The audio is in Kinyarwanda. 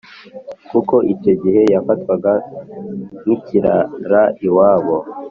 kuko icyo gihe yafatwaga nkikirara iwabo